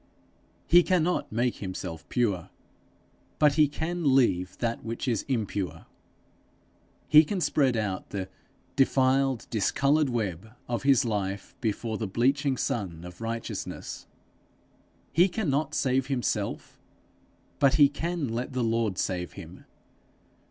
He cannot make himself pure, but he can leave that which is impure; he can spread out the 'defiled, discoloured web' of his life before the bleaching sun of righteousness; he cannot save himself, but he can let the Lord save him.